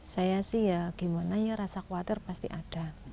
saya sih ya gimana ya rasa khawatir pasti ada